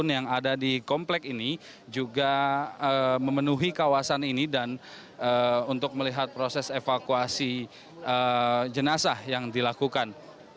yang ada di komplek ini juga memenuhi kawasan ini dan untuk melihat proses evakuasi jenazah yang dilakukan